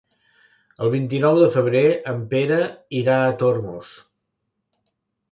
El vint-i-nou de febrer en Pere irà a Tormos.